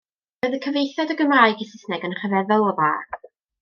Roedd y cyfieithiad o Gymraeg i Saesneg yn rhyfeddol o dda.